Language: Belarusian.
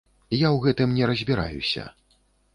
Я ў гэтым не разбіраюся.